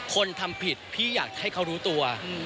คนทำผิดพี่อยากให้เขารู้ตัว